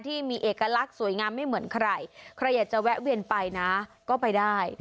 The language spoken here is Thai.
ที่มีเอกลักษณ์สวยงามไม่เหมือนใครใครอยากจะแวะเวียนไปนะก็ไปได้